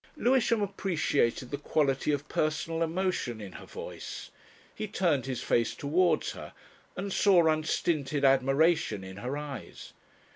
Lewisham appreciated the quality of personal emotion in her voice. He turned his face towards her, and saw unstinted admiration in her eyes.